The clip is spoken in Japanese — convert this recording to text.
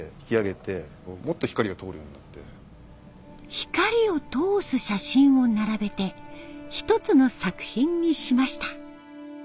光を通す写真を並べて一つの作品にしました。